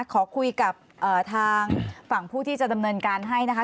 ขอคุยกับทางฝั่งผู้ที่จะดำเนินการให้นะคะ